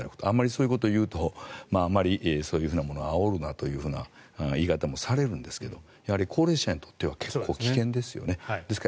あまりそういうことを言うとあまりそういうものをあおるなという言い方もされるんですけど高齢者にとっては危険ですよね。